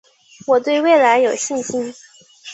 我对未来有信心